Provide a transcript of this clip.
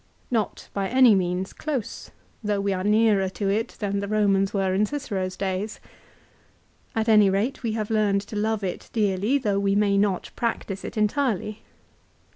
Not by any means close, though we are nearer to it than the Eomans were in Cicero's days. At any rate we have learned to love it dearly, though we may not practise it entirely.